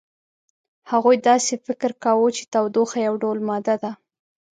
هغوی داسې فکر کاوه چې تودوخه یو ډول ماده ده.